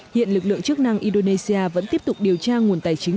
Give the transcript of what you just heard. hiện lực lượng chức năng indonesia vẫn tiếp tục điều tra nguồn tài chính